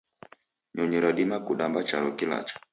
Nyonyi radima kudamba charo kilacha